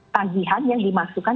tagihan yang dimasukkan